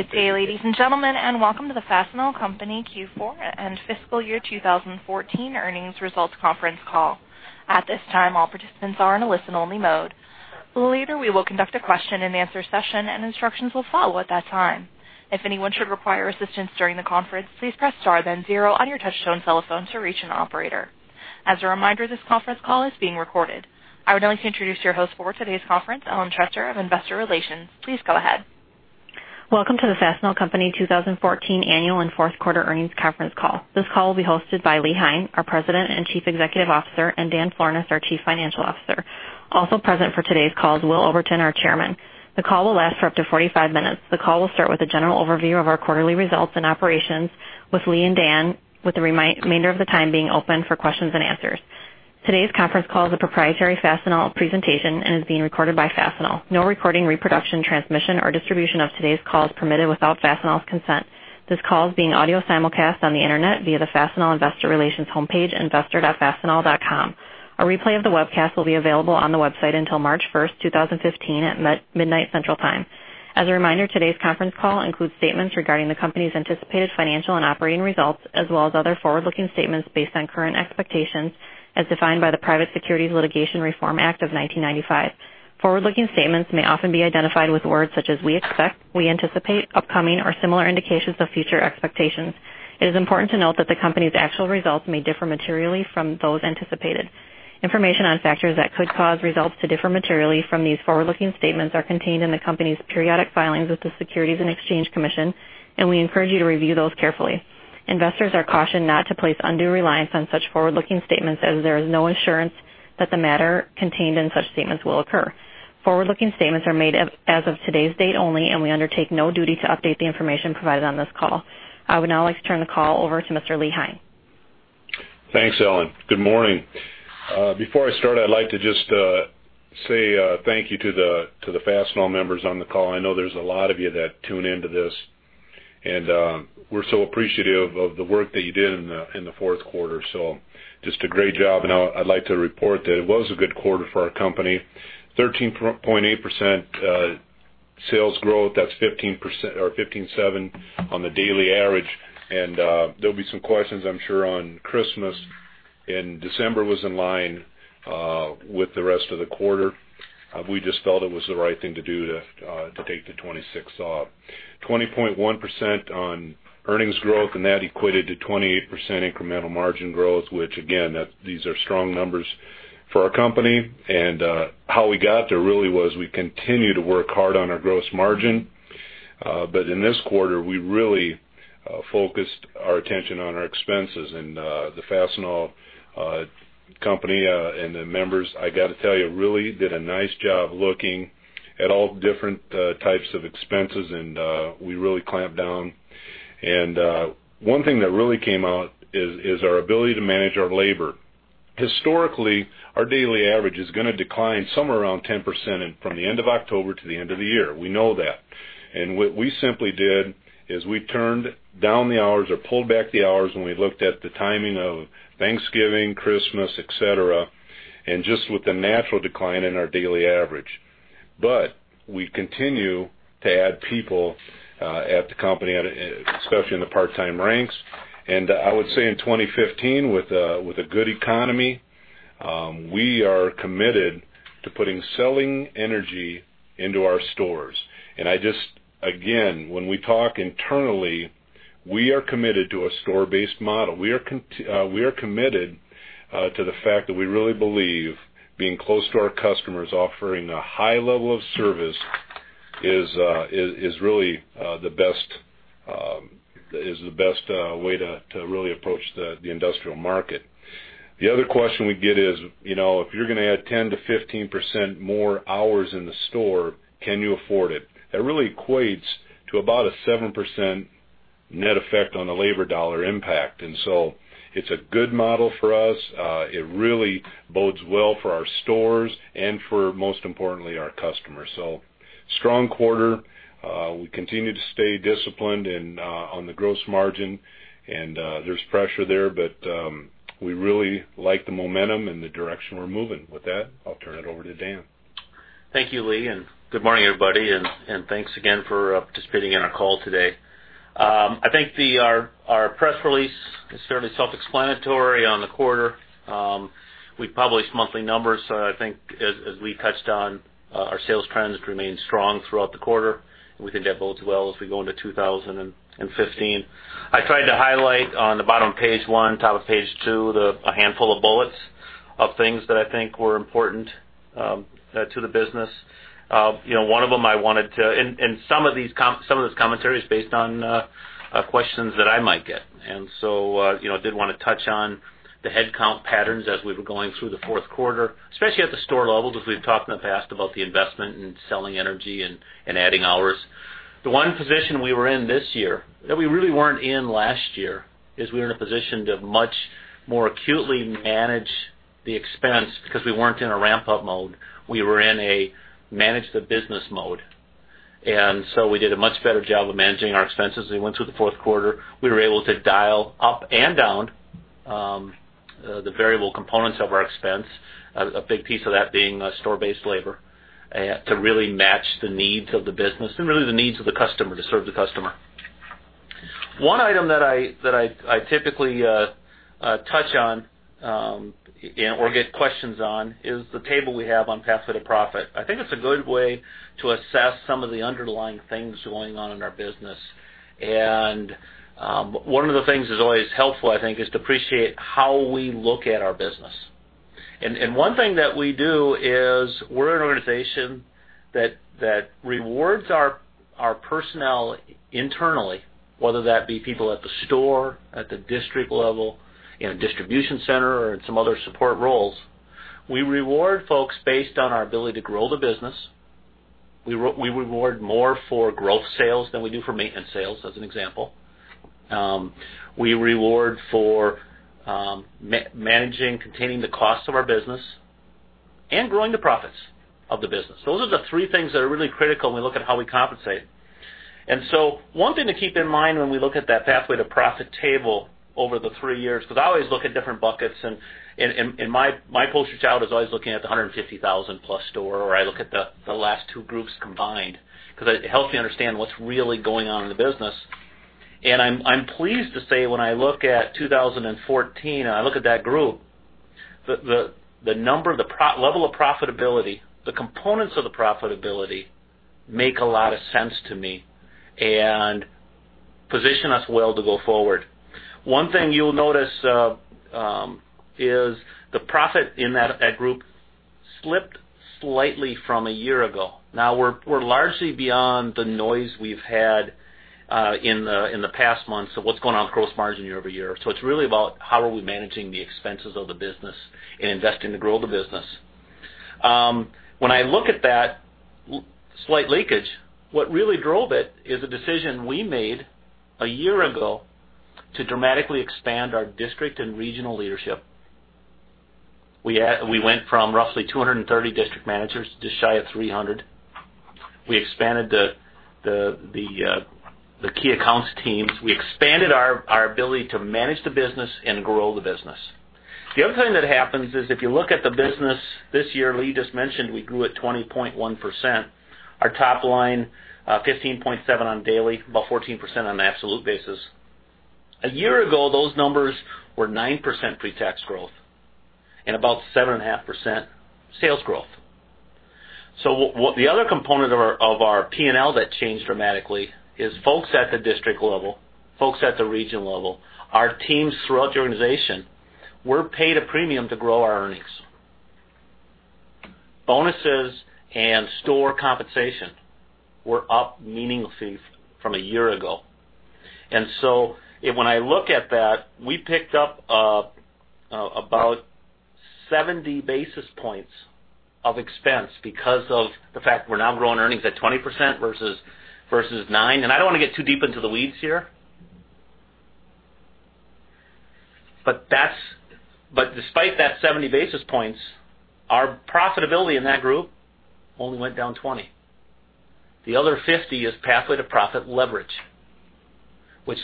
Good day, ladies and gentlemen, and welcome to the Fastenal Company Q4 and fiscal year 2014 earnings results conference call. At this time, all participants are in a listen-only mode. Later, we will conduct a question-and-answer session, and instructions will follow at that time. If anyone should require assistance during the conference, please press star then 0 on your touchtone telephone to reach an operator. As a reminder, this conference call is being recorded. I would now like to introduce your host for today's conference, Ellen Trester of Investor Relations. Please go ahead. Welcome to the Fastenal Company 2014 annual and fourth quarter earnings conference call. This call will be hosted by Lee Hein, our President and Chief Executive Officer, and Dan Florness, our Chief Financial Officer. Also present for today's call is Will Oberton, our Chairman. The call will last for up to 45 minutes. The call will start with a general overview of our quarterly results and operations with Lee and Dan, with the remainder of the time being open for questions and answers. Today's conference call is a proprietary Fastenal presentation and is being recorded by Fastenal. No recording, reproduction, transmission, or distribution of today's call is permitted without Fastenal's consent. This call is being audio simulcast on the internet via the Fastenal Investor Relations homepage, investor.fastenal.com. A replay of the webcast will be available on the website until March 1st, 2015, at midnight Central Time. As a reminder, today's conference call includes statements regarding the company's anticipated financial and operating results, as well as other forward-looking statements based on current expectations as defined by the Private Securities Litigation Reform Act of 1995. Forward-looking statements may often be identified with words such as "we expect," "we anticipate," "upcoming," or similar indications of future expectations. It is important to note that the company's actual results may differ materially from those anticipated. Information on factors that could cause results to differ materially from these forward-looking statements are contained in the company's periodic filings with the Securities and Exchange Commission, and we encourage you to review those carefully. Investors are cautioned not to place undue reliance on such forward-looking statements as there is no assurance that the matter contained in such statements will occur. Forward-looking statements are made as of today's date only, and we undertake no duty to update the information provided on this call. I would now like to turn the call over to Mr. Lee Hein. Thanks, Ellen. Good morning. Before I start, I'd like to just say thank you to the Fastenal members on the call. I know there's a lot of you that tune into this, and we're so appreciative of the work that you did in the fourth quarter. Just a great job, and I'd like to report that it was a good quarter for our company. 13.8% sales growth. That's 15.7 on the daily average. There'll be some questions, I'm sure, on Christmas, and December was in line with the rest of the quarter. We just felt it was the right thing to do to take the 26th off. 20.1% on earnings growth, and that equated to 28% incremental margin growth, which again, these are strong numbers for our company. How we got there really was we continue to work hard on our gross margin. In this quarter, we really focused our attention on our expenses and the Fastenal Company and the members, I got to tell you, really did a nice job looking at all different types of expenses, and we really clamped down. One thing that really came out is our ability to manage our labor. Historically, our daily average is going to decline somewhere around 10% from the end of October to the end of the year. We know that. What we simply did is we turned down the hours or pulled back the hours when we looked at the timing of Thanksgiving, Christmas, et cetera, and just with the natural decline in our daily average. We continue to add people at the company, especially in the part-time ranks. I would say in 2015, with a good economy, we are committed to putting selling energy into our stores. Again, when we talk internally, we are committed to a store-based model. We are committed to the fact that we really believe being close to our customers, offering a high level of service is really the best way to really approach the industrial market. The other question we get is, if you're going to add 10%-15% more hours in the store, can you afford it? That really equates to about a 7% net effect on the labor dollar impact, and it's a good model for us. It really bodes well for our stores and for, most importantly, our customers. Strong quarter. We continue to stay disciplined on the gross margin, and there's pressure there, but we really like the momentum and the direction we're moving. With that, I'll turn it over to Dan. Thank you, Lee. Good morning, everybody, and thanks again for participating in our call today. I think our press release is fairly self-explanatory on the quarter. We publish monthly numbers, so I think as we touched on our sales trends, it remained strong throughout the quarter. We think that bodes well as we go into 2015. I tried to highlight on the bottom of page one, top of page two, a handful of bullets of things that I think were important to the business. Some of this commentary is based on questions that I might get. Did want to touch on the headcount patterns as we were going through the fourth quarter, especially at the store level, because we've talked in the past about the investment in selling energy and adding hours. The one position we were in this year that we really weren't in last year is we were in a position to much more acutely manage the expense because we weren't in a ramp-up mode. We were in a manage the business mode. We did a much better job of managing our expenses as we went through the fourth quarter. We were able to dial up and down the variable components of our expense, a big piece of that being store-based labor, to really match the needs of the business and really the needs of the customer to serve the customer. One item that I typically touch on, or get questions on, is the table we have on pathway to profit. I think it's a good way to assess some of the underlying things going on in our business. One of the things that's always helpful, I think, is to appreciate how we look at our business. One thing that we do is we're an organization that rewards our personnel internally, whether that be people at the store, at the district level, in a distribution center, or in some other support roles. We reward folks based on our ability to grow the business. We reward more for growth sales than we do for maintenance sales, as an example. We reward for managing, containing the cost of our business, and growing the profits of the business. Those are the three things that are really critical when we look at how we compensate. One thing to keep in mind when we look at that pathway to profit table over the three years, because I always look at different buckets and my poster child is always looking at the 150,000-plus store, or I look at the last two groups combined, because it helps me understand what's really going on in the business. I'm pleased to say, when I look at 2014 and I look at that group, the level of profitability, the components of the profitability make a lot of sense to me and position us well to go forward. One thing you'll notice is the profit in that group slipped slightly from a year ago. Now we're largely beyond the noise we've had in the past months of what's going on with gross margin year-over-year. It's really about how are we managing the expenses of the business and investing to grow the business. When I look at that slight leakage, what really drove it is a decision we made a year ago to dramatically expand our district and regional leadership. We went from roughly 230 district managers to just shy of 300. We expanded the key accounts teams. We expanded our ability to manage the business and grow the business. If you look at the business this year, Lee just mentioned we grew at 20.1%. Our top line, 15.7% on daily, about 14% on an absolute basis. A year ago, those numbers were 9% pretax growth and about 7.5% sales growth. The other component of our P&L that changed dramatically is folks at the district level, folks at the region level, our teams throughout the organization, we're paid a premium to grow our earnings. Bonuses and store compensation were up meaningfully from a year ago. When I look at that, we picked up about 70 basis points of expense because of the fact we're now growing earnings at 20% versus 9. I don't want to get too deep into the weeds here, but despite that 70 basis points, our profitability in that group only went down 20 basis points. The other 50 basis points is pathway to profit leverage, which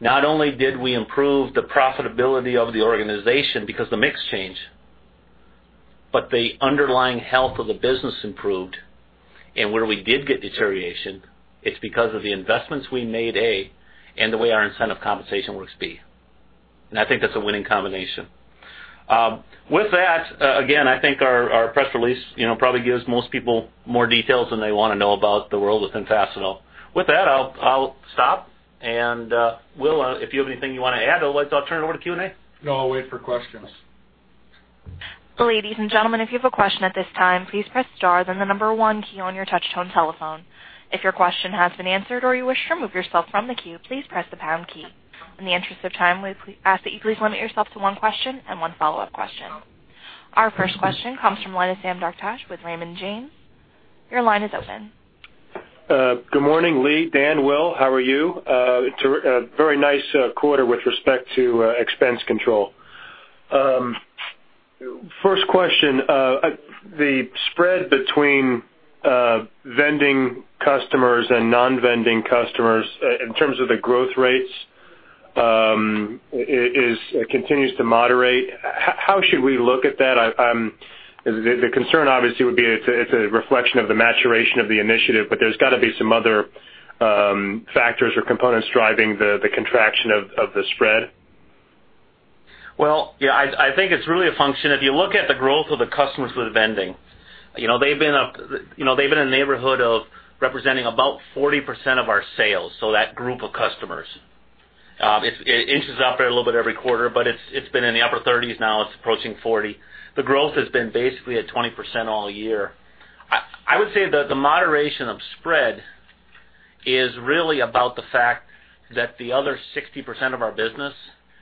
not only did we improve the profitability of the organization because the mix changed, but the underlying health of the business improved. Where we did get deterioration, it's because of the investments we made, A, and the way our incentive compensation works, B. I think that's a winning combination. With that, again, I think our press release probably gives most people more details than they want to know about the world within Fastenal. With that, I'll stop, and Will, if you have anything you want to add, I'll turn it over to Q&A. No, I'll wait for questions. Ladies and gentlemen, if you have a question at this time, please press star, then the number one key on your touch tone telephone. If your question has been answered or you wish to remove yourself from the queue, please press the pound key. In the interest of time, we ask that you please limit yourself to one question and one follow-up question. Our first question comes from the line of Sam Darkatsh with Raymond James. Your line is open. Good morning, Lee, Dan, Will. How are you? Very nice quarter with respect to expense control. First question, the spread between vending customers and non-vending customers in terms of the growth rates, it continues to moderate. How should we look at that? The concern obviously would be it's a reflection of the maturation of the initiative, there's got to be some other factors or components driving the contraction of the spread. Well, yeah. I think it's really a function. If you look at the growth of the customers with vending, they've been in a neighborhood of representing about 40% of our sales, so that group of customers. It inches up a little bit every quarter, but it's been in the upper 30s, now it's approaching 40. The growth has been basically at 20% all year. I would say that the moderation of spread is really about the fact that the other 60% of our business,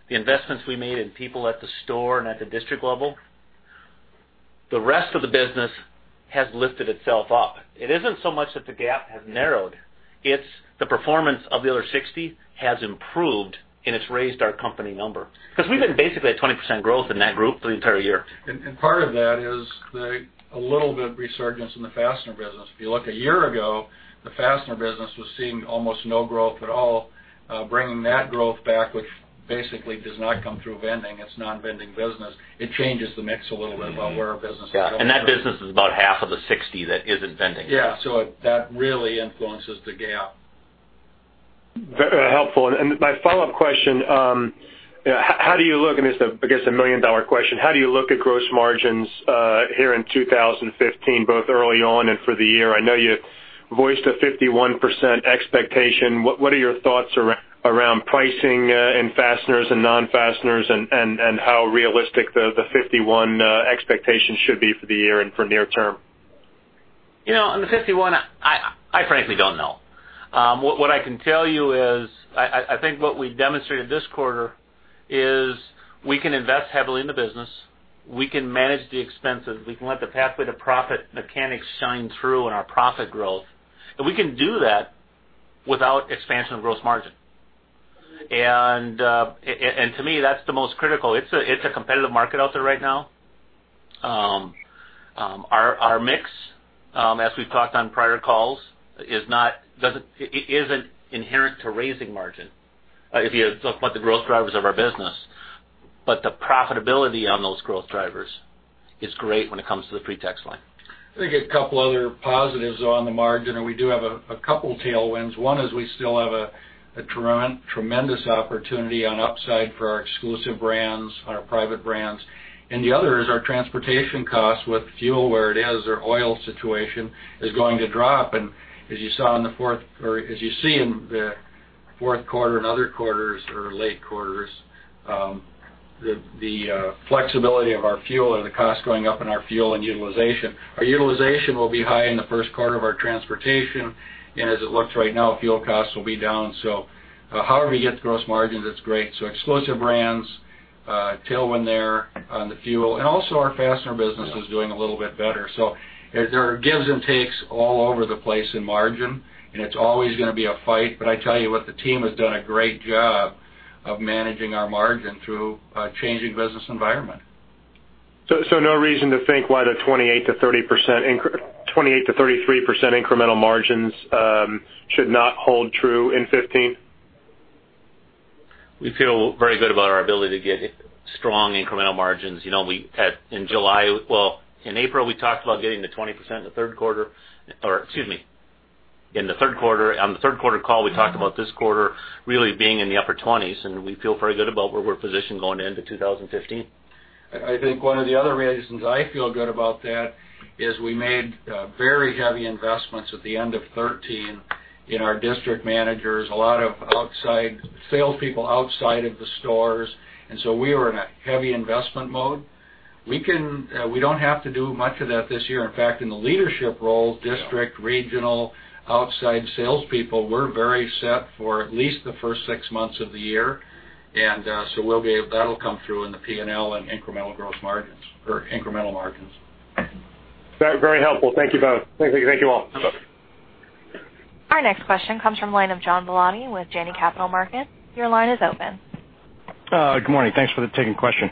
the investments we made in people at the store and at the district level, the rest of the business has lifted itself up. It isn't so much that the gap has narrowed, it's the performance of the other 60 has improved, and it's raised our company number. We've been basically at 20% growth in that group for the entire year. Part of that is a little bit of resurgence in the fastener business. If you look a year ago, the fastener business was seeing almost no growth at all. Bringing that growth back, which basically does not come through vending, it's non-vending business, it changes the mix a little bit about where our business is going. Yeah. That business is about half of the 60 that isn't vending. Yeah. That really influences the gap. Very helpful. My follow-up question, how do you look, and this is, I guess, a million-dollar question, how do you look at gross margins here in 2015, both early on and for the year? I know you voiced a 51% expectation. What are your thoughts around pricing in fasteners and non-fasteners and how realistic the 51 expectation should be for the year and for near term? On the 51, I frankly don't know. What I can tell you is, I think what we demonstrated this quarter is we can invest heavily in the business. We can manage the expenses. We can let the Pathway to Profit mechanics shine through in our profit growth. We can do that without expansion of gross margin. To me, that's the most critical. It's a competitive market out there right now. Our mix, as we've talked on prior calls, isn't inherent to raising margin, if you talk about the growth drivers of our business. The profitability on those growth drivers is great when it comes to the pre-tax line. I think a couple other positives on the margin. We do have a couple of tailwinds. One is we still have a tremendous opportunity on upside for our exclusive brands, our private brands. The other is our transportation costs with fuel where it is, our oil situation is going to drop. As you see in the fourth quarter and other quarters or late quarters, the flexibility of our fuel and the cost going up in our fuel and utilization. Our utilization will be high in the first quarter of our transportation. As it looks right now, fuel costs will be down. However you get the gross margin, that's great. Exclusive brands, tailwind there on the fuel, and also our fastener business is doing a little bit better. There are gives and takes all over the place in margin, and it's always going to be a fight. I tell you what, the team has done a great job of managing our margin through a changing business environment. No reason to think why the 28%-33% incremental margins should not hold true in 2015? We feel very good about our ability to get strong incremental margins. In April, we talked about getting to 20% on the third quarter call, we talked about this quarter really being in the upper 20s, and we feel very good about where we're positioned going into 2015. I think one of the other reasons I feel good about that is we made very heavy investments at the end of 2013 in our district managers, a lot of salespeople outside of the stores. So we were in a heavy investment mode. We don't have to do much of that this year. In fact, in the leadership role, district, regional, outside salespeople, we're very set for at least the first six months of the year. So that'll come through in the P&L and incremental margins. Very helpful. Thank you both. Thank you all. You're welcome. Our next question comes from the line of John Villani with Janney Capital Markets. Your line is open. Good morning. Thanks for taking question.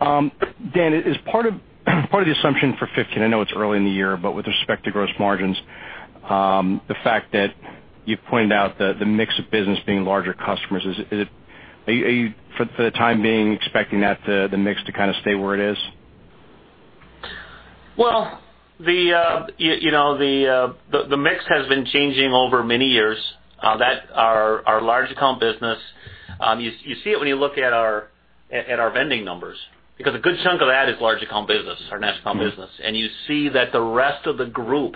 Dan, is part of the assumption for 2015, I know it's early in the year, but with respect to gross margins, the fact that you pointed out the mix of business being larger customers, are you, for the time being, expecting the mix to kind of stay where it is? Well, the mix has been changing over many years. Our large account business, you see it when you look at our vending numbers because a good chunk of that is large account business, our national business. You see that the rest of the group,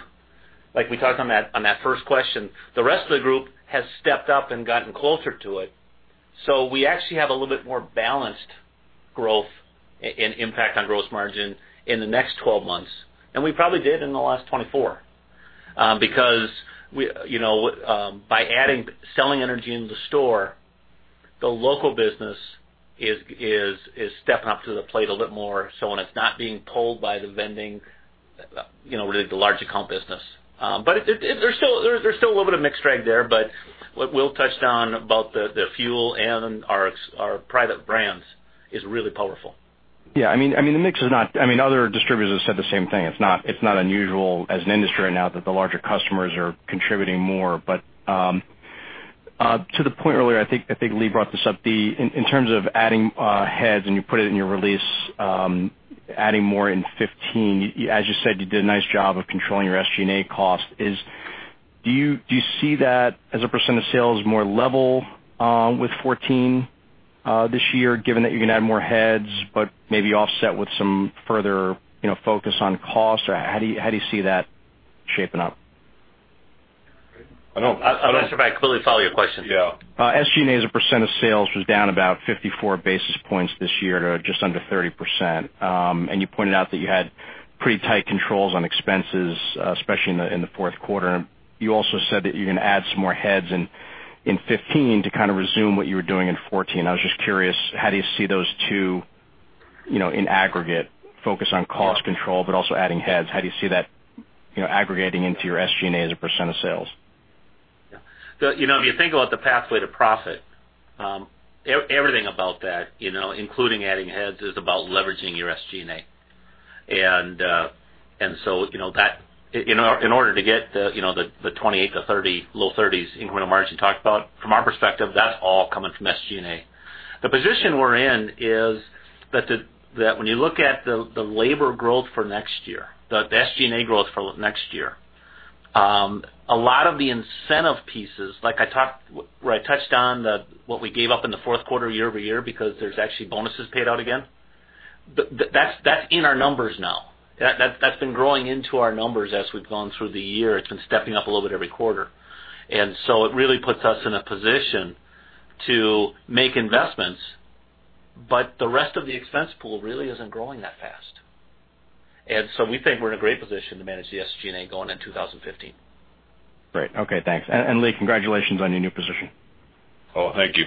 like we talked on that first question, the rest of the group has stepped up and gotten closer to it. We actually have a little bit more balanced growth and impact on gross margin in the next 12 months than we probably did in the last 24. Because by adding selling energy into the store, the local business is stepping up to the plate a little bit more so when it's not being pulled by the vending, really the large account business. There's still a little bit of mix drag there. What we'll touch on about the fuel and our private brands is really powerful. Yeah. Other distributors have said the same thing. It's not unusual as an industry right now that the larger customers are contributing more. To the point earlier, I think Lee brought this up, in terms of adding heads, and you put it in your release, adding more in 2015. As you said, you did a nice job of controlling your SG&A cost. Do you see that as a % of sales more level with 2014 this year, given that you're going to add more heads but maybe offset with some further focus on cost? How do you see that shaping up? I'm not sure if I completely follow your question. Yeah. SG&A as a % of sales was down about 54 basis points this year to just under 30%. You pointed out that you had pretty tight controls on expenses, especially in the fourth quarter. You also said that you're going to add some more heads in 2015 to kind of resume what you were doing in 2014. I was just curious, how do you see those two in aggregate focus on cost control but also adding heads? How do you see that aggregating into your SG&A as a % of sales? If you think about the pathway to profit, everything about that, including adding heads, is about leveraging your SG&A. In order to get the 28%-30%, low 30s incremental margin talked about, from our perspective, that's all coming from SG&A. The position we're in is that when you look at the labor growth for next year, the SG&A growth for next year, a lot of the incentive pieces, where I touched on what we gave up in the fourth quarter year-over-year because there's actually bonuses paid out again, that's in our numbers now. That's been growing into our numbers as we've gone through the year. It's been stepping up a little bit every quarter. It really puts us in a position to make investments, but the rest of the expense pool really isn't growing that fast. We think we're in a great position to manage the SG&A going into 2015. Great. Okay, thanks. Lee, congratulations on your new position. Thank you.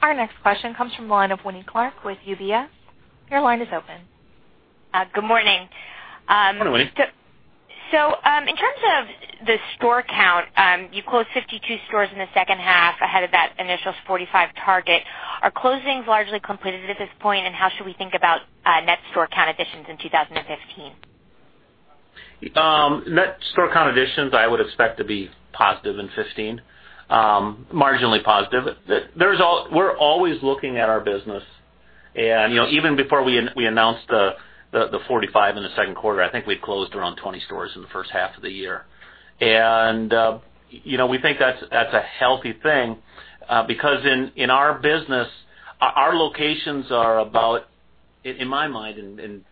Our next question comes from the line of Winnie Clark with UBS. Your line is open. Good morning. Good morning, Winnie. In terms of the store count, you closed 52 stores in the second half ahead of that initial 45 target. Are closings largely completed at this point, and how should we think about net store count additions in 2015? Net store count additions I would expect to be positive in 2015, marginally positive. We're always looking at our business, even before we announced the 45 in the second quarter, I think we had closed around 20 stores in the first half of the year. We think that's a healthy thing because in our business, our locations are about, in my mind, and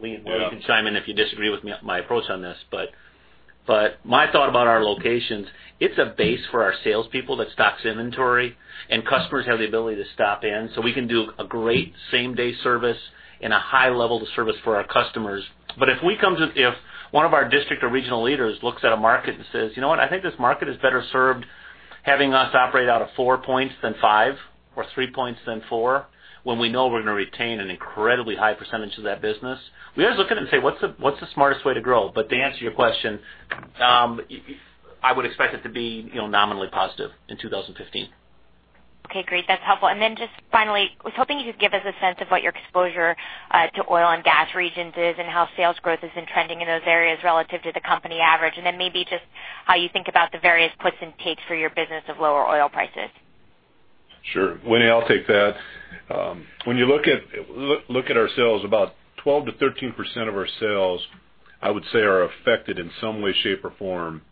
Lee, you can chime in if you disagree with my approach on this, but my thought about our locations, it's a base for our salespeople that stocks inventory and customers have the ability to stop in, so we can do a great same-day service and a high level of service for our customers. If one of our district or regional leaders looks at a market and says, "You know what? I think this market is better served having us operate out of four points than five or three points than four,” when we know we're going to retain an incredibly high percentage of that business, we always look at it and say, "What's the smartest way to grow?" To answer your question, I would expect it to be nominally positive in 2015. Okay, great. That's helpful. Just finally, I was hoping you could give us a sense of what your exposure to oil and gas regions is and how sales growth has been trending in those areas relative to the company average, then maybe just how you think about the various puts and takes for your business of lower oil prices. Sure. Winnie, I'll take that. When you look at our sales, about 12% to 13% of our sales, I would say, are affected in some way, shape, or form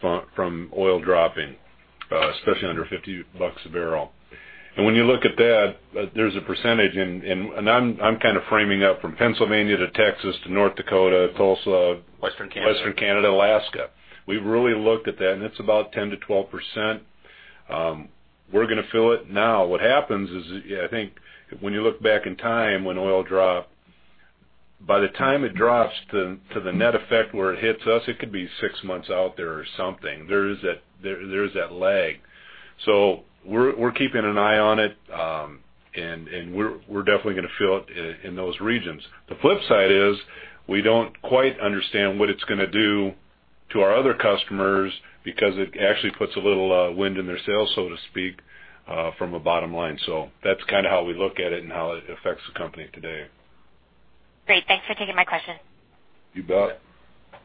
from oil dropping, especially under $50 a barrel. When you look at that, there's a percentage, and I'm kind of framing up from Pennsylvania to Texas to North Dakota, Tulsa- Western Canada. Western Canada, Alaska. We've really looked at that and it's about 10% to 12%. We're going to feel it now. What happens is, I think when you look back in time, when oil dropped, by the time it drops to the net effect where it hits us, it could be six months out there or something. There is that lag. We're keeping an eye on it, and we're definitely going to feel it in those regions. The flip side is we don't quite understand what it's going to do to our other customers because it actually puts a little wind in their sails, so to speak, from a bottom line. That's kind of how we look at it and how it affects the company today. Great. Thanks for taking my question. You bet.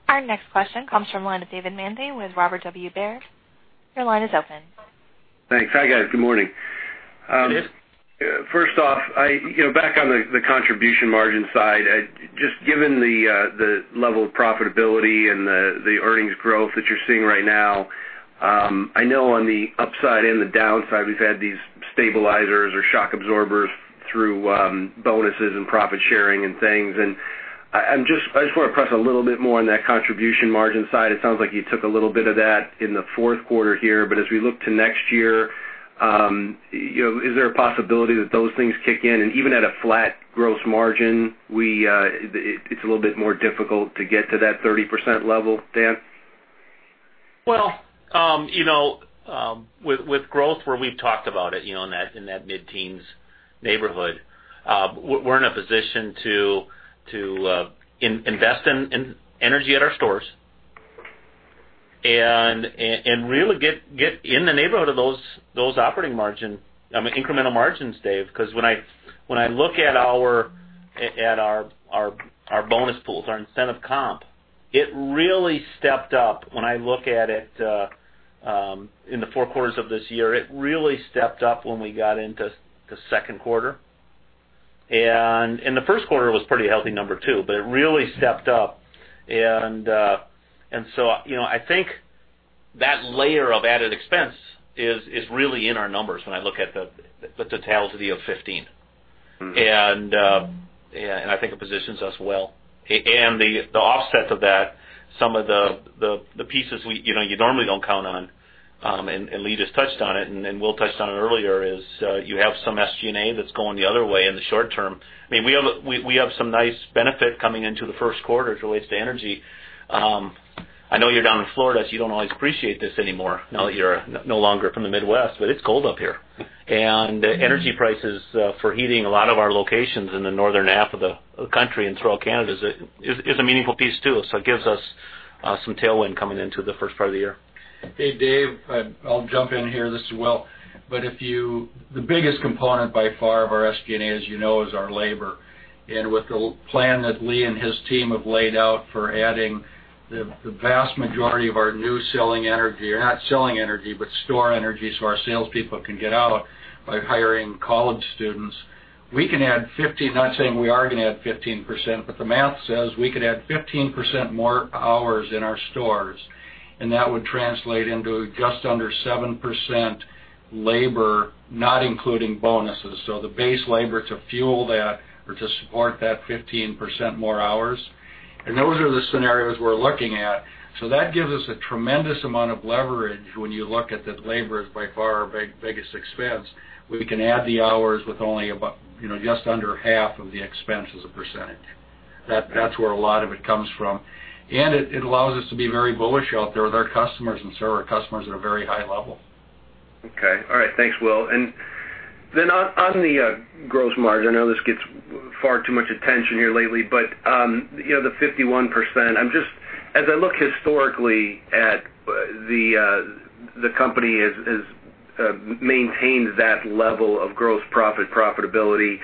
Our next question comes from the line of David Manthey with Robert W. Baird. Your line is open. Thanks. Hi, guys. Good morning. Good. First off, back on the contribution margin side, just given the level of profitability and the earnings growth that you're seeing right now, I know on the upside and the downside, we've had these stabilizers or shock absorbers through bonuses and profit sharing and things. I just want to press a little bit more on that contribution margin side. It sounds like you took a little bit of that in the fourth quarter here. As we look to next year, is there a possibility that those things kick in and even at a flat gross margin, it's a little bit more difficult to get to that 30% level, Dan? Well, with growth where we've talked about it, in that mid-teens neighborhood, we're in a position to invest in energy at our stores and really get in the neighborhood of those incremental margins, Dave, because when I look at our bonus pools, our incentive comp, it really stepped up when I look at it in the 4 quarters of this year. It really stepped up when we got into the second quarter. In the first quarter, it was pretty healthy number, too, but it really stepped up. I think that layer of added expense is really in our numbers when I look at the totality of 2015. I think it positions us well. The offset of that, some of the pieces you normally don't count on, Lee just touched on it, Will touched on it earlier, is you have some SG&A that's going the other way in the short term. We have some nice benefit coming into the first quarter as it relates to energy. I know you're down in Florida, so you don't always appreciate this anymore now that you're no longer from the Midwest, but it's cold up here. Energy prices for heating a lot of our locations in the northern half of the country and throughout Canada is a meaningful piece, too. It gives us Some tailwind coming into the first part of the year. Hey, Dave, I'll jump in here. This is Will. The biggest component by far of our SG&A, as you know, is our labor. With the plan that Lee and his team have laid out for adding the vast majority of our new selling energy, or not selling energy, but store energy, so our salespeople can get out by hiring college students, we can add 15%-- not saying we are going to add 15%, but the math says we could add 15% more hours in our stores, and that would translate into just under 7% labor, not including bonuses. The base labor to fuel that or to support that 15% more hours. Those are the scenarios we're looking at. That gives us a tremendous amount of leverage when you look at that labor is by far our biggest expense. We can add the hours with only just under half of the expense as a percentage. That's where a lot of it comes from. It allows us to be very bullish out there with our customers and serve our customers at a very high level. Okay. All right. Thanks, Will. On the gross margin, I know this gets far too much attention here lately, but the 51%, as I look historically at the company has maintained that level of gross profit profitability.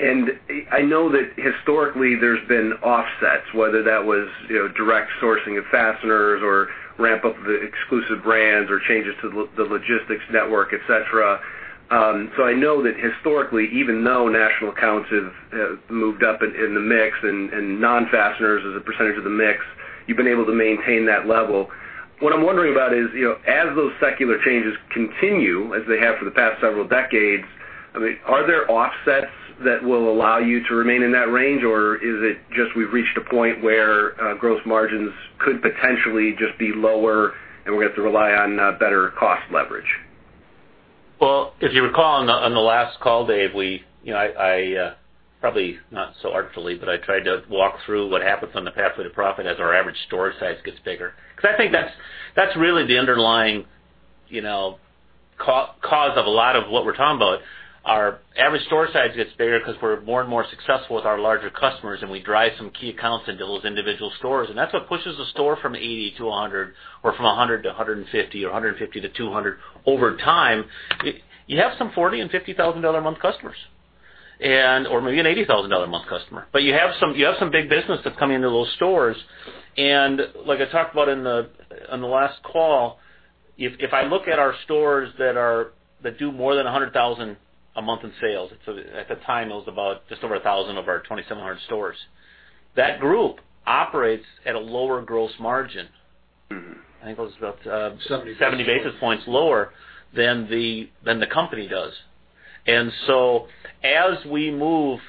I know that historically there's been offsets, whether that was direct sourcing of fasteners or ramp up of the exclusive brands or changes to the logistics network, et cetera. I know that historically, even though national accounts have moved up in the mix and non-fasteners as a percentage of the mix, you've been able to maintain that level. What I'm wondering about is, as those secular changes continue as they have for the past several decades, are there offsets that will allow you to remain in that range? Is it just we've reached a point where gross margins could potentially just be lower and we have to rely on better cost leverage? Well, if you recall on the last call, Dave, probably not so artfully, but I tried to walk through what happens on the pathway to profit as our average store size gets bigger. I think that's really the underlying cause of a lot of what we're talking about. Our average store size gets bigger because we're more and more successful with our larger customers. We drive some key accounts into those individual stores, and that's what pushes the store from 80 to 100 or from 100 to 150 or 150 to 200 over time. You have some $40,000 and $50,000 a month customers, or maybe an $80,000 a month customer. You have some big business that's coming into those stores. Like I talked about on the last call, if I look at our stores that do more than $100,000 a month in sales, at the time, it was about just over 1,000 of our 2,700 stores. That group operates at a lower gross margin. I think it was about- 70 basis points 70 basis points lower than the company does. As we move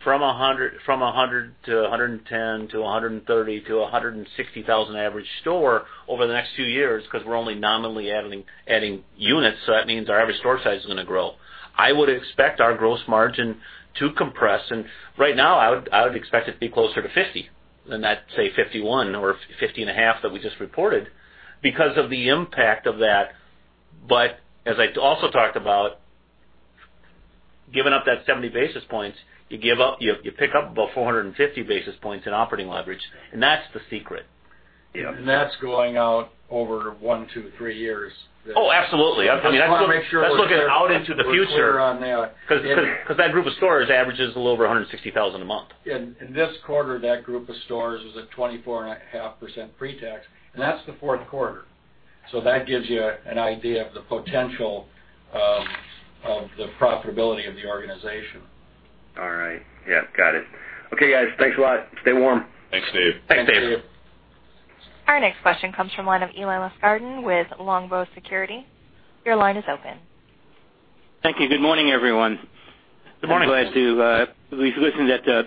from 100 to 110 to 130 to 160,000 average store over the next few years, because we're only nominally adding units, that means our average store size is going to grow. I would expect our gross margin to compress, and right now I would expect it to be closer to 50% than, say, 51% or 50 and a half% that we just reported because of the impact of that. As I also talked about, giving up that 70 basis points, you pick up about 450 basis points in operating leverage. That's the secret. That's going out over one to three years. Oh, absolutely. I just want to make sure we're clear on that. That's looking out into the future. Because that group of stores averages a little over 160,000 a month. In this quarter, that group of stores was at 24.5% pre-tax, and that's the fourth quarter. That gives you an idea of the potential of the profitability of the organization. All right. Yeah, got it. Okay, guys. Thanks a lot. Stay warm. Thanks, Dave. Thanks, Dave. Thanks, Dave. Our next question comes from the line of Eli Lustgarten with Longbow Research. Your line is open. Thank you. Good morning, everyone. Good morning. I'm glad to at least listen that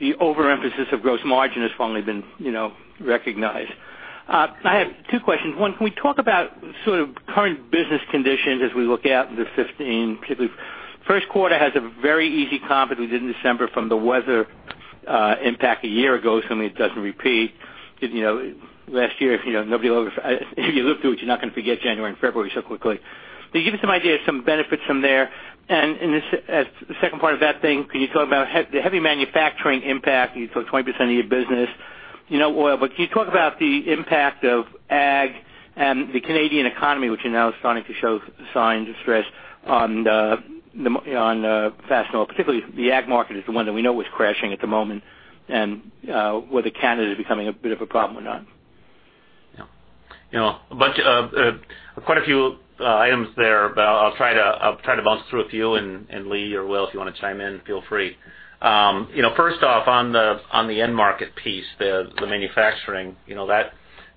the overemphasis of gross margin has finally been recognized. I have two questions. One, can we talk about sort of current business conditions as we look out into 2015, particularly first quarter has a very easy comp that we did in December from the weather impact a year ago, something that doesn't repeat. Last year, if you live through it, you're not going to forget January and February so quickly. Can you give us some idea of some benefits from there? The second part of that thing, can you talk about the heavy manufacturing impact? You took 20% of your business. Can you talk about the impact of ag and the Canadian economy, which are now starting to show signs of stress on Fastenal? Particularly the ag market is the one that we know was crashing at the moment and whether Canada is becoming a bit of a problem or not. Quite a few items there, but I'll try to bounce through a few, and Lee or Will, if you want to chime in, feel free. First off, on the end market piece, the manufacturing,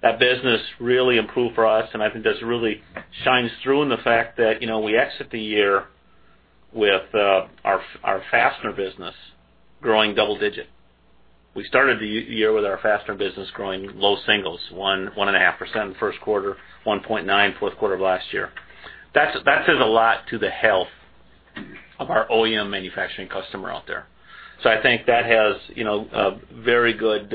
that business really improved for us, and I think this really shines through in the fact that we exit the year with our fastener business growing double digit. We started the year with our fastener business growing low singles, 1.5% in first quarter, 1.9% fourth quarter of last year. That says a lot to the health of our OEM manufacturing customer out there. I think that has very good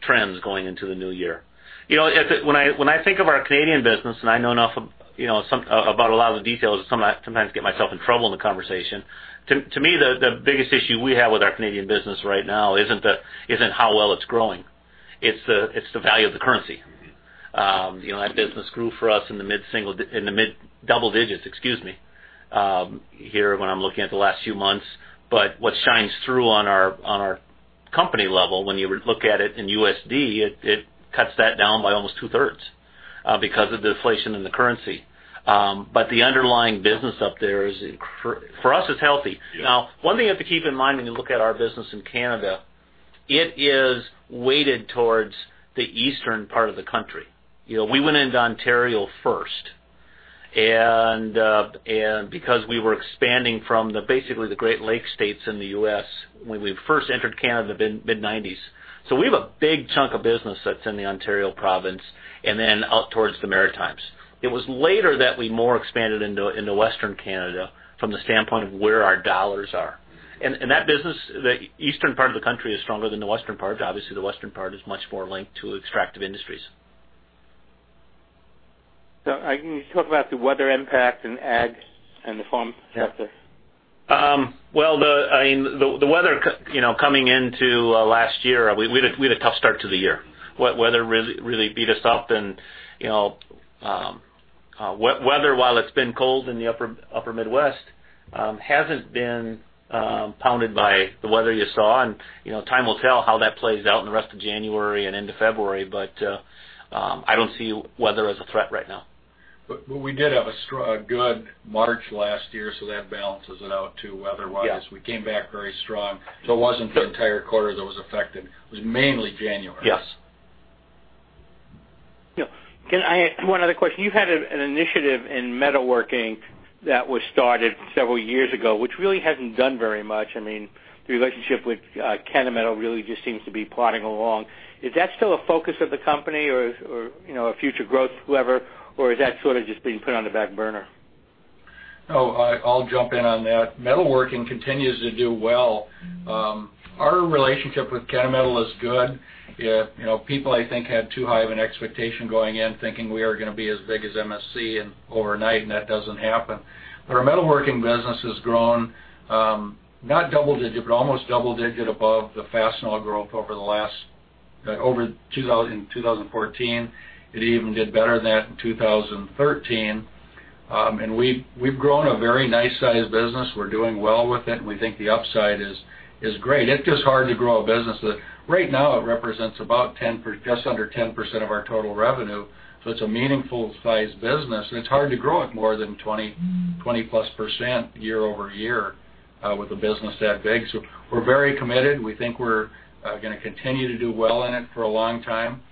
trends going into the new year. When I think of our Canadian business, and I know enough about a lot of the details, I sometimes get myself in trouble in the conversation. To me, the biggest issue we have with our Canadian business right now isn't how well it's growing. It's the value of the currency. That business grew for us in the mid-double digits, excuse me, here when I'm looking at the last few months. What shines through on our company level, when you look at it in USD, it cuts that down by almost two-thirds because of the deflation in the currency. The underlying business up there, for us, it's healthy. Yes. One thing you have to keep in mind when you look at our business in Canada, it is weighted towards the eastern part of the country. We went into Ontario first. Because we were expanding from basically the Great Lake states in the U.S. when we first entered Canada, mid-'90s. We have a big chunk of business that's in the Ontario province and then out towards the Maritimes. It was later that we expanded more into Western Canada from the standpoint of where our dollars are. That business, the eastern part of the country, is stronger than the western part. Obviously, the western part is much more linked to extractive industries. Can you talk about the weather impact in ag and the farm sector? Well, the weather coming into last year, we had a tough start to the year. Weather really beat us up, and weather, while it's been cold in the Upper Midwest, hasn't been pounded by the weather you saw. Time will tell how that plays out in the rest of January and into February. I don't see weather as a threat right now. We did have a good March last year, that balances it out, too, weather-wise. Yeah. We came back very strong, so it wasn't the entire quarter that was affected. It was mainly January. Yes. Can I ask one other question? You had an initiative in metalworking that was started several years ago, which really hasn't done very much. The relationship with Kennametal really just seems to be plodding along. Is that still a focus of the company or a future growth lever, or is that sort of just being put on the back burner? I'll jump in on that. Metalworking continues to do well. Our relationship with Kennametal is good. People, I think, had too high of an expectation going in, thinking we are going to be as big as MSC overnight, and that doesn't happen. Our metalworking business has grown, not double-digit, but almost double-digit above the Fastenal growth in 2014. It even did better than that in 2013. We've grown a very nice-sized business. We're doing well with it, and we think the upside is great. It's just hard to grow a business that, right now, it represents just under 10% of our total revenue, so it's a meaningful size business, and it's hard to grow it more than 20-plus% year-over-year with a business that big. We're very committed. We think we're going to continue to do well in it for a long time.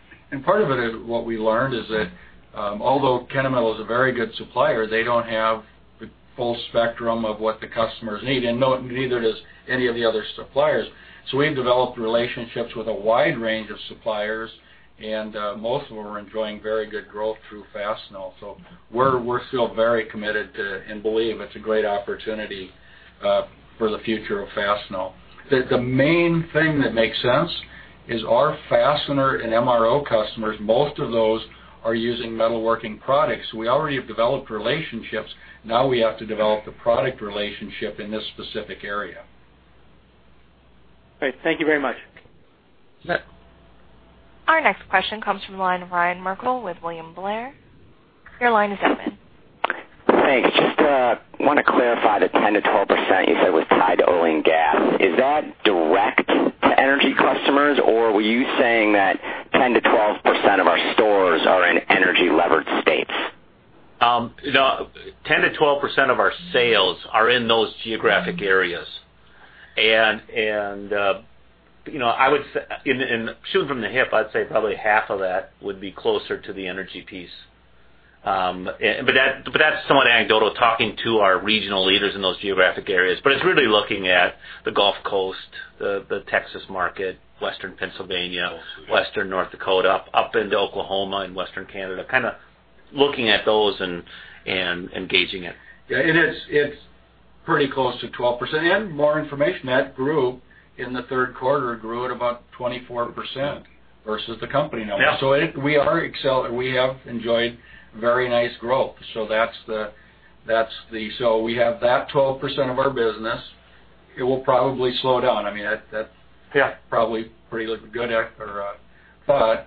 Part of it is what we learned is that although Kennametal is a very good supplier, they don't have the full spectrum of what the customers need, and neither does any of the other suppliers. We've developed relationships with a wide range of suppliers, and most of them are enjoying very good growth through Fastenal. We're still very committed to and believe it's a great opportunity for the future of Fastenal. The main thing that makes sense is our fastener and MRO customers, most of those are using metalworking products. We already have developed relationships. Now we have to develop the product relationship in this specific area. Great. Thank you very much. Yes. Our next question comes from the line of Ryan Merkel with William Blair. Your line is open. Thanks. Just want to clarify the 10%-12% you said was tied to oil and gas. Is that direct to energy customers, or were you saying that 10%-12% of our stores are in energy-levered states? No, 10%-12% of our sales are in those geographic areas. Shooting from the hip, I'd say probably half of that would be closer to the energy piece. That's somewhat anecdotal, talking to our regional leaders in those geographic areas. It's really looking at the Gulf Coast, the Texas market, Western Pennsylvania. Also. Western North Dakota, up into Oklahoma and Western Canada. Kind of looking at those and gauging it. Yeah, it's pretty close to 12%. More information, that grew in the third quarter, grew at about 24% versus the company number. Yeah. We have enjoyed very nice growth. We have that 12% of our business. It will probably slow down. Yeah That's probably a pretty good thought.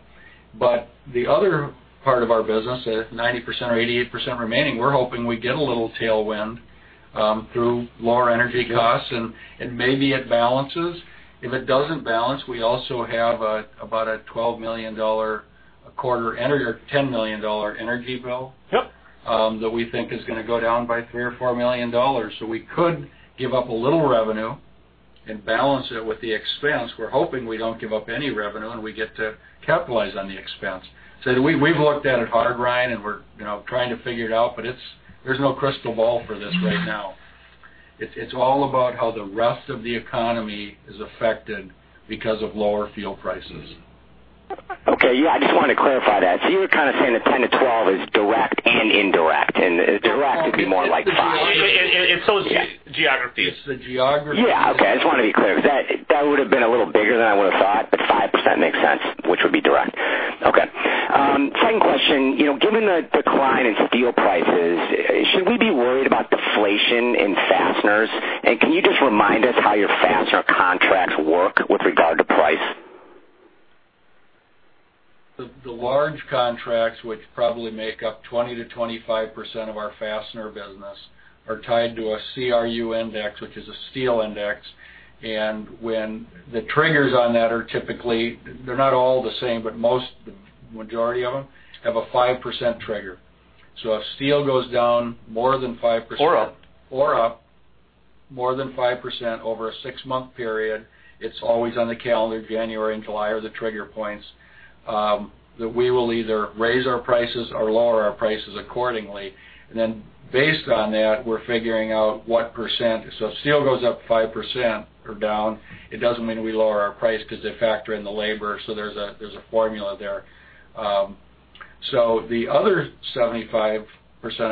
The other part of our business, the 90% or 88% remaining, we're hoping we get a little tailwind through lower energy costs, and maybe it balances. If it doesn't balance, we also have about a $10 million energy bill. Yep that we think is going to go down by $3 million or $4 million. We could give up a little revenue and balance it with the expense. We're hoping we don't give up any revenue, and we get to capitalize on the expense. We've looked at it hard, Ryan, and we're trying to figure it out, but there's no crystal ball for this right now. It's all about how the rest of the economy is affected because of lower fuel prices. Okay. Yeah, I just wanted to clarify that. You were kind of saying that 10%-12% is direct and indirect, and direct could be more like 5%. It's those geographies. It's the geography. Yeah. Okay, I just wanted to be clear, because that would've been a little bigger than I would've thought, but 5% makes sense, which would be direct. Okay. Second question, given the decline in steel prices Regard to price. The large contracts, which probably make up 20%-25% of our fastener business, are tied to a CRU index, which is a steel index. When the triggers on that are typically, they're not all the same, but most, the majority of them, have a 5% trigger. If steel goes down more than 5%- Or up. Or up more than 5% over a six-month period, it's always on the calendar, January and July are the trigger points, that we will either raise our prices or lower our prices accordingly. Based on that, we're figuring out what percent. If steel goes up 5% or down, it doesn't mean we lower our price because they factor in the labor, so there's a formula there. The other 75%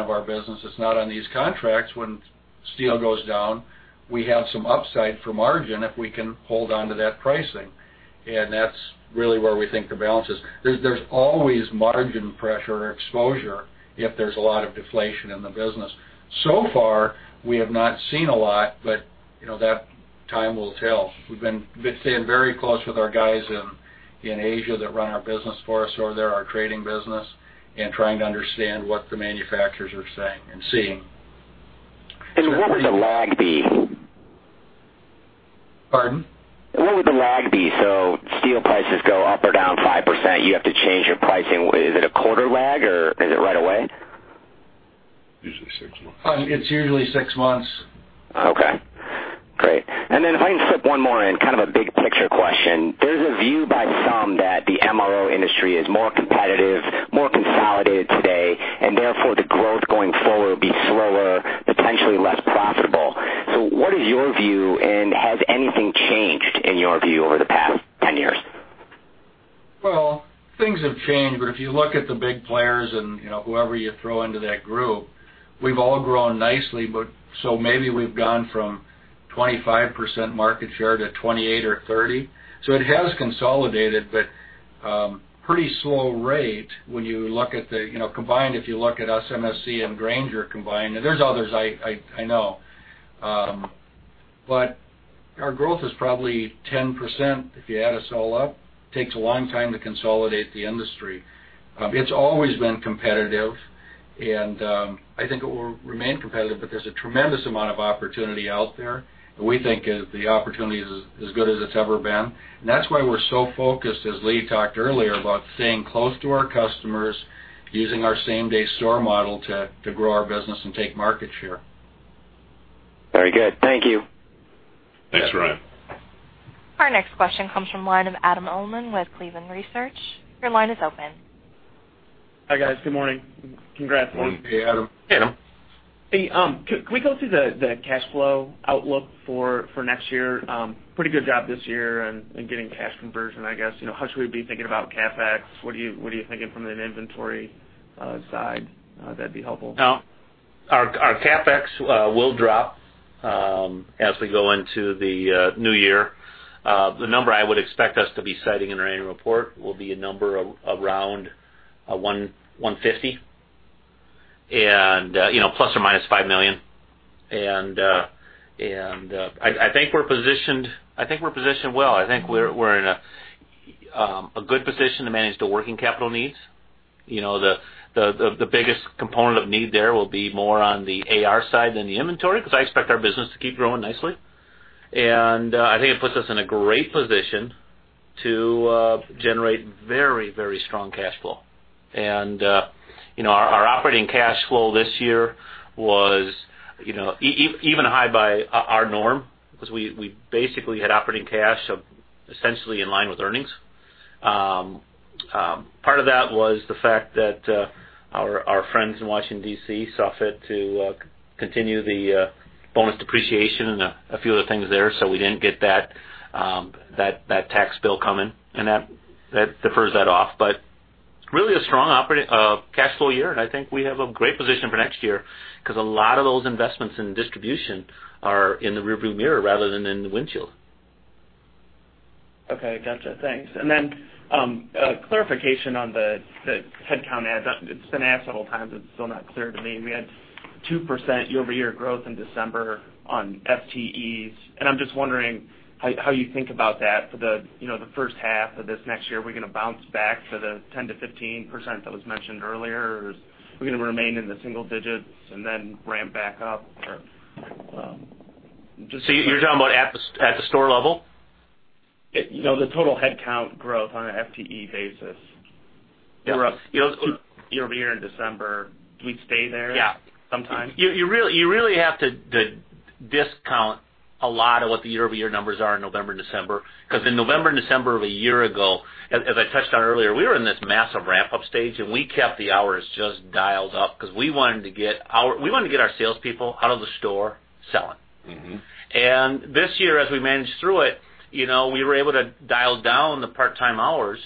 of our business that's not on these contracts, when steel goes down, we have some upside for margin if we can hold onto that pricing. That's really where we think the balance is. There's always margin pressure or exposure if there's a lot of deflation in the business. So far, we have not seen a lot, but that time will tell. We've been staying very close with our guys in Asia that run our business for us over there, our trading business, trying to understand what the manufacturers are saying and seeing. What would the lag be? Pardon? What would the lag be? Steel prices go up or down 5%, you have to change your pricing. Is it a quarter lag or is it right away? Usually six months. It's usually six months. Okay. Great. Then if I can slip one more in, kind of a big picture question. There's a view by some that the MRO industry is more competitive, more consolidated today, and therefore, the growth going forward will be slower, potentially less profitable. What is your view, and has anything changed in your view over the past 10 years? Well, things have changed, if you look at the big players and whoever you throw into that group, we've all grown nicely. Maybe we've gone from 25% market share to 28% or 30%. It has consolidated, but pretty slow rate when you look at combined, if you look at us, MSC, and Grainger combined, and there's others, I know. Our growth is probably 10%, if you add us all up. Takes a long time to consolidate the industry. It's always been competitive, and I think it will remain competitive, but there's a tremendous amount of opportunity out there. We think the opportunity is as good as it's ever been. That's why we're so focused, as Lee talked earlier, about staying close to our customers, using our same-day store model to grow our business and take market share. Very good. Thank you. Thanks, Ryan. Our next question comes from the line of Adam Uhlman with Cleveland Research. Your line is open. Hi, guys. Good morning. Congrats. Morning. Hey, Adam. Hey. Could we go through the cash flow outlook for next year? Pretty good job this year in getting cash conversion, I guess. How should we be thinking about CapEx? What are you thinking from an inventory side? That'd be helpful. Our CapEx will drop as we go into the new year. The number I would expect us to be citing in our annual report will be a number around 150, and ±$5 million. I think we're positioned well. I think we're in a good position to manage the working capital needs. The biggest component of need there will be more on the AR side than the inventory, because I expect our business to keep growing nicely. I think it puts us in a great position to generate very, very strong cash flow. Our operating cash flow this year was even high by our norm, because we basically had operating cash essentially in line with earnings. Part of that was the fact that our friends in Washington, D.C., saw fit to continue the bonus depreciation and a few other things there, so we didn't get that tax bill coming, and that defers that off. Really a strong cash flow year, and I think we have a great position for next year because a lot of those investments in distribution are in the rear view mirror rather than in the windshield. Okay, gotcha. Thanks. A clarification on the headcount. It's been asked several times, it's still not clear to me. We had 2% year-over-year growth in December on FTEs, and I'm just wondering how you think about that for the first half of this next year. Are we going to bounce back to the 10%-15% that was mentioned earlier, or are we going to remain in the single digits and then ramp back up? You're talking about at the store level? The total headcount growth on an FTE basis. Yeah. You were up two year-over-year in December. Do we stay there sometime? You really have to discount a lot of what the year-over-year numbers are in November and December, because in November and December of a year ago, as I touched on earlier, we were in this massive ramp-up stage, and we kept the hours just dialed up because we wanted to get our salespeople out of the store selling. This year, as we managed through it, we were able to dial down the part-time hours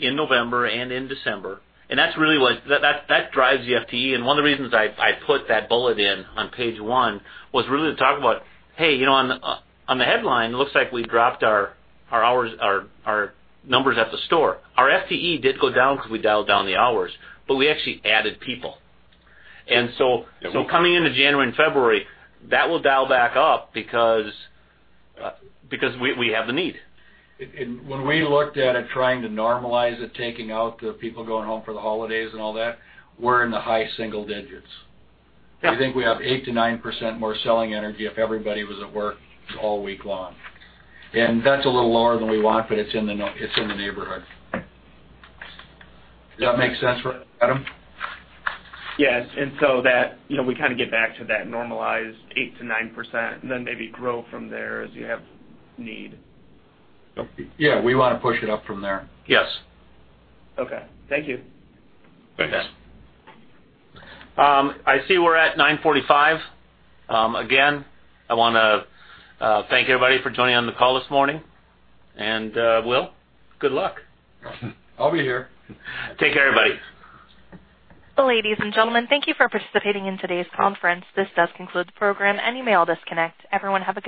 in November and in December. That's really what drives the FTE, and one of the reasons I put that bullet in on page one was really to talk about, hey, on the headline, it looks like we dropped our numbers at the store. Our FTE did go down because we dialed down the hours, but we actually added people. Coming into January and February, that will dial back up because we have the need. When we looked at it, trying to normalize it, taking out the people going home for the holidays and all that, we're in the high single digits. Yeah. We think we have 8%-9% more selling energy if everybody was at work all week long. That's a little lower than we want, but it's in the neighborhood. Does that make sense, Adam? Yes. We kind of get back to that normalized 8%-9% and then maybe grow from there as you have need. Yeah, we want to push it up from there. Yes. Okay. Thank you. You bet. I see we're at 9:45. I want to thank everybody for joining on the call this morning. Will, good luck. I'll be here. Take care, everybody. Ladies and gentlemen, thank you for participating in today's conference. This does conclude the program. Any may all disconnect.